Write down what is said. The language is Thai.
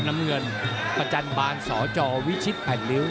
น้ำเงินประจันบาลสจวิชิตแผ่นริ้ว